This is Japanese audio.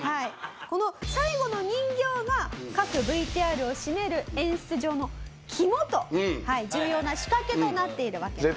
この最後の人形が各ＶＴＲを締める演出上の肝と重要な仕掛けとなっているわけなんです。